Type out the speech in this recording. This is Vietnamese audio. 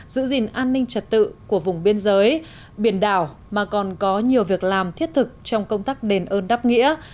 giữ gìn an ninh trật tự của vùng biên giới biển đảo mà còn có nhiều việc làm thiết thực trong công tác đền ơn đáp nghĩa